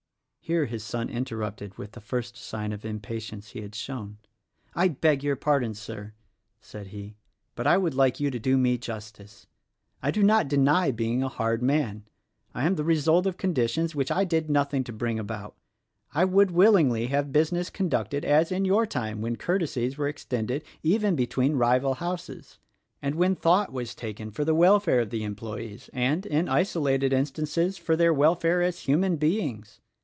Here his son interrupted with the first sign of impa tience he had shown. "I beg your pardon, Sir," said he, "but I would like you to do me justice. I do not deny being a hard man. I am the result of conditions which I did nothing to bring about. I would willingly have busi ness conducted as in your time when courtesies were extended even between rival houses, and when thought was taken for the welfare of the employees and, in isolated instances, for their welfare as human beings.